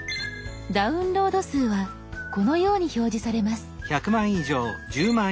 「ダウンロード数」はこのように表示されます。